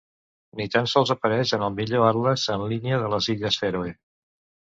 Ni tan sols apareix en el millor atles en línia de les illes Fèroe.